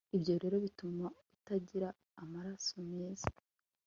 ibyo rero bituma utagira amaraso meza